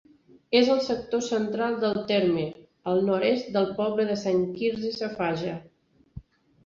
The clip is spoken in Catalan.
És al sector central del terme, al nord-est del poble de Sant Quirze Safaja.